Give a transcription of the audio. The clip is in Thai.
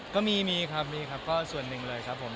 ก็มีครับมีครับก็ส่วนหนึ่งเลยครับผม